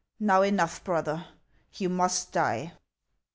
Now, enough, brother, you must die."